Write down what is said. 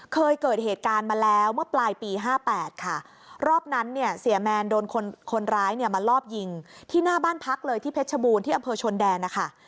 เคยเกิดเหตุการณ์มาแล้วเมื่อปลายปีห้าแปดค่ะรอบนั้นเนี่ยเสียแมนโดนคนคนร้ายเนี่ยมาลอบยิงที่หน้าบ้านพักเลยที่เพชรบูรณ์ที่อำเภอชนแดนนะคะ